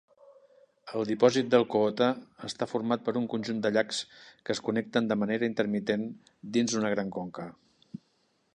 El dipòsit de Alcoota està format per un conjunt de llacs que es connecten de manera intermitent dins una gran conca.